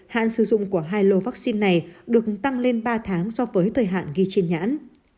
hạn sử dụng của hai lô vaccine này được tăng lên ba tháng so với thời hạn ghi trên nhãn